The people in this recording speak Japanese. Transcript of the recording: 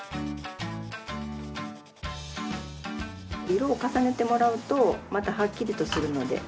色を重ねてもらうとまたハッキリとするので。